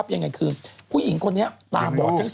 แบบเขาตาบอด